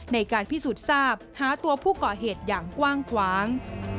ในการพิสูจน์ทราบหาตัวผู้ก่อเหตุอย่างกว้างขวาง